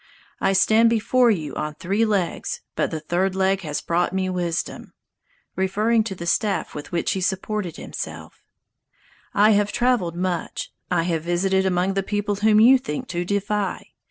"I stand before you on three legs, but the third leg has brought me wisdom" [referring to the staff with which he supported himself]. "I have traveled much, I have visited among the people whom you think to defy.